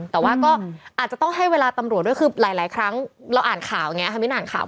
แต่ว่าก็อาจจะต้องให้เวลาตำรวจด้วยคือหลายครั้งเราอ่านข่าวไงคะมิ้นอ่านข่าว